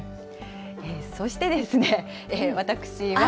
そして私は。